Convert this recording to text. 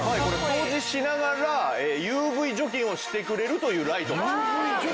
掃除しながらＵＶ除菌をしてくれるというライトが。